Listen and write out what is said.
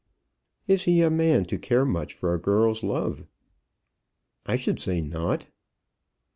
"Is he a man to care much for a girl's love?" "I should say not."